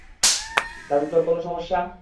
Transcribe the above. তাতে তোর কোনও সমস্যা?